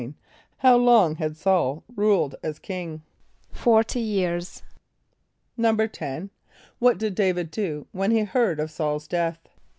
= How long had S[a:]ul ruled as king? =Forty years.= =10.= What did D[=a]´vid do when he heard of S[a:]ul's death?